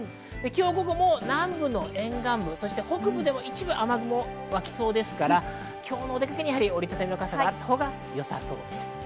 今日午後も南部の沿岸部、北部でも一部、雨雲が割って来そうですから今日もお出かけには折り畳みの傘があったほうがよさそうです。